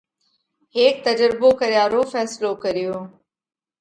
هيڪ تجرڀو ڪريا رو ڦينصلو ڪريو۔